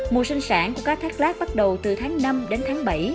mùa sinh sản của cá thác lát bắt đầu từ tháng năm đến tháng bảy